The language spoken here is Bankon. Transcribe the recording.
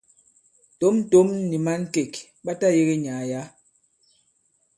Tǒm-tǒm nì̀ mǎŋkèk ɓa tayēge nyàà yǎ.